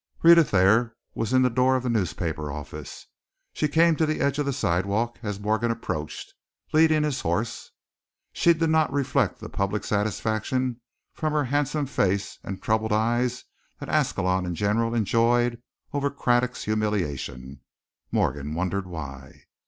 Rhetta Thayer was in the door of the newspaper office. She came to the edge of the sidewalk as Morgan approached, leading his horse. She did not reflect the public satisfaction from her handsome face and troubled eyes that Ascalon in general enjoyed over Craddock's humiliation. Morgan wondered why.